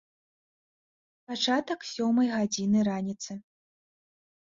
Пачатак сёмай гадзіны раніцы.